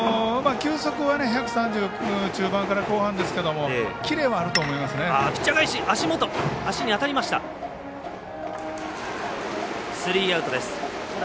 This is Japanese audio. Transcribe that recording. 球速は１３０中盤から後半ですけどキレはあると思いますね。